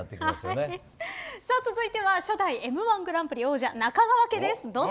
続いては初代「Ｍ‐１グランプリ」王者中川家です、どうぞ。